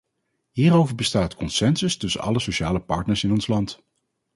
Hierover bestaat consensus tussen alle sociale partners in ons land.